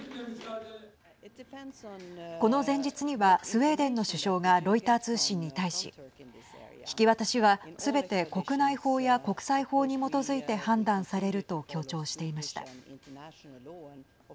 この前日にはスウェーデンの首相がロイター通信に対し引き渡しは、すべて国内法や国際法に基づいて判断されると強調していました。